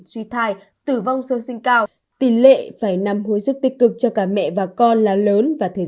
suy thai tử vong sơ sinh cao tỉ lệ phải nằm hồi sức tích cực cho cả mẹ và con là lớn và thời